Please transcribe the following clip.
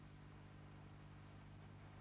ini satu kehormatan luar biasa